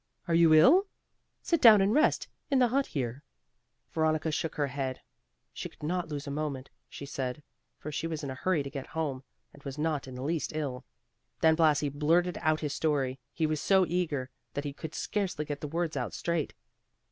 Are you ill? Sit down and rest, in the hut, here." Veronica shook her head; she could not lose a moment, she said, for she was in a hurry to get home, and was not in the least ill. Then Blasi blurted out his story; he was so eager, that he could scarcely get the words out straight.